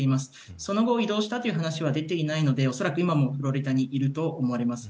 その後、移動したという話は出ていないので恐らく今もフロリダにいると思います。